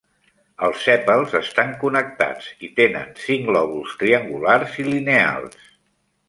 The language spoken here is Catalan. Els sèpals estan connectats i tenen cinc lòbuls triangulars i lineals.